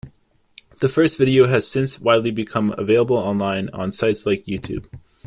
The first video has since widely become available online on sites like YouTube.